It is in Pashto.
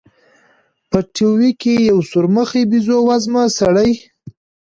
په ټي وي کښې يو سورمخى بيزو وزمه سړى.